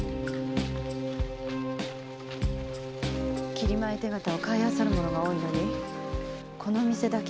切米手形を買いあさる者が多いのにこの店だけは売ってばかり。